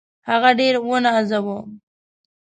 هغه ډېر ونازاوه.